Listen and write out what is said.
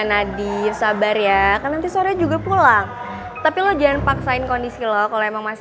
nadie sabar ya kan nanti sore juga pulang tapi lo jangan paksain kondisi lo kalau emang masih